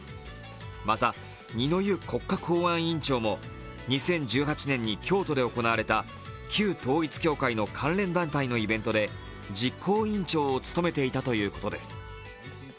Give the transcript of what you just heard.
また、二之湯国家公安委員長も２０１８年に京都で行われた旧統一教会の関連団体のイベントで実行委員長を務めていたということです。